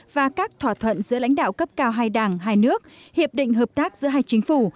và các thỏa thuận giữa lãnh đạo cấp cao hai đảng hai nước hiệp định hợp tác giữa hai chính phủ